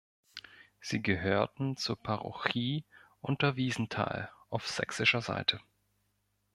Sie gehörten zur Parochie Unterwiesenthal auf sächsischer Seite.